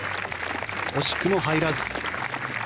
惜しくも入らず。